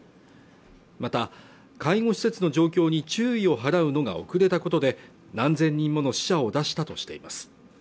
また介護施設の状況に注意を払うのが遅れたことで何千人もの死者を出したとしています